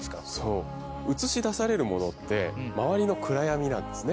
うつしだされるものって周りの暗闇なんですね。